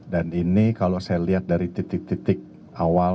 dan ini kalau saya lihat dari titik titik awal